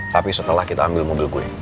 tapi setelah kita ambil mobil gue